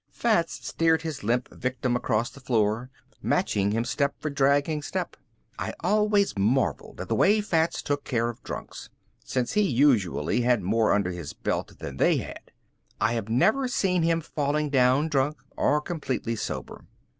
Fats steered his limp victim across the floor, matching him step for dragging step. I always marveled at the way Fats took care of drunks, since he usually had more under his belt than they had. I have never seen him falling down drunk or completely sober.